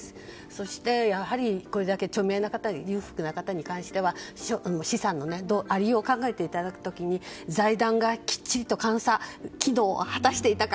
そして、これだけ著名で裕福な方に関しては資産のありようを考えていただく時に財団がきっちりと監査機能を果たしていたか。